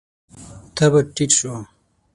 تبر ټيټ شو.